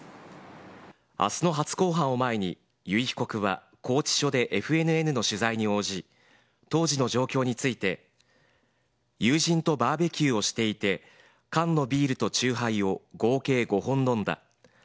あすの初公判を前に、由井被告は拘置所でＦＮＮの取材に応じ、当時の状況について友人とバーベキューをしていて、缶のビールと酎ハイを合計５本飲んだ。